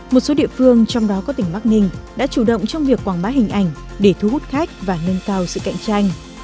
một số địa phương trong đó có tỉnh bắc ninh đã chủ động trong việc quảng bá hình ảnh để thu hút khách và nâng cao sự cạnh tranh